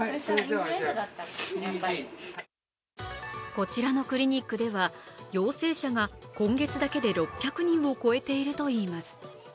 こちらのクリニックでは陽性者が今月だけで６００人を超えているといいます。